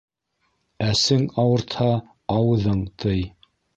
Әсең ауыртһа, ауыҙың тый